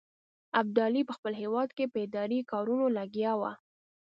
ابدالي په خپل هیواد کې په اداري کارونو لګیا وو.